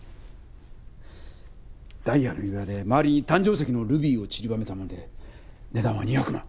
ダイヤの指輪で周りに誕生石のルビーをちりばめたもので値段は２００万。